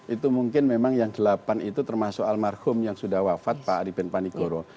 itu mungkin memang yang delapan itu termasuk almarhum yang sudah wafat pak ariben panigoro